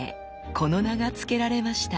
この名が付けられました。